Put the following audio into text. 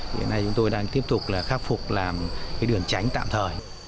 hiện nay chúng tôi đang tiếp tục khắc phục làm đường tránh tạm thời